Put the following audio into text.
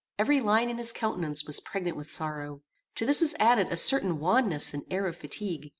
Every line in his countenance was pregnant with sorrow. To this was added a certain wanness and air of fatigue.